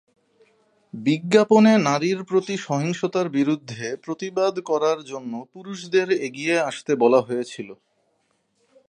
বিজ্ঞাপনে নারীর প্রতি সহিংসতার বিরুদ্ধে প্রতিবাদ করার জন্য পুরুষদের এগিয়ে আসতে বলা হয়েছিল।